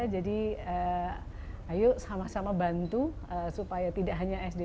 jadi ayo sama sama bantu supaya tidak hanya sdp